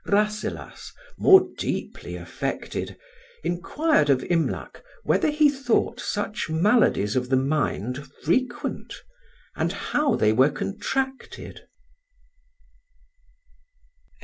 Rasselas, more deeply affected, inquired of Imlac whether he thought such maladies of the mind frequent, and how they were contracted.